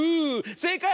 せいかい！